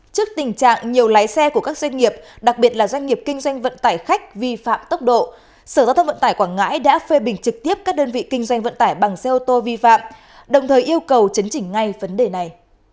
trước tình trạng nhiều lái xe của các doanh nghiệp đặc biệt là doanh nghiệp kinh doanh vận tải khách vi phạm tốc độ sở giao thông vận tải quảng ngãi đã phê bình trực tiếp các đơn vị kinh doanh vận tải bằng xe ô tô vi phạm đồng thời yêu cầu chấn chỉnh ngay vấn đề này